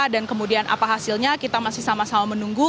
dan kemudian apa hasilnya kita masih sama sama menunggu